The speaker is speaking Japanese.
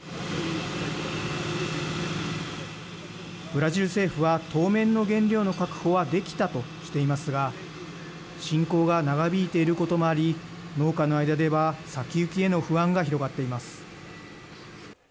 ブラジル政府は当面の原料の確保はできたとしていますが侵攻が長引いていることもあり農家の間では先行きへの不安が広がっています。